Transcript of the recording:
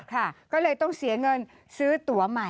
ค่ะก็เลยต้องเสียเงินซื้อตัวใหม่